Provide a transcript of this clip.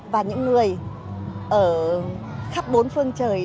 và những người ở khắp bốn phương trời